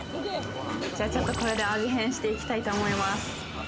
ちょっと、これで味変していきたいと思います。